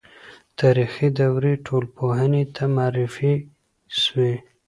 تاریخي دورې ټولنپوهنې ته معرفي سوې.